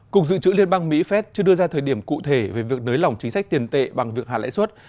cục dự trữ liên bang mỹ phép chưa đưa ra thời điểm cụ thể về việc nới lỏng chính sách tiền tệ bằng việc hạ lãi suất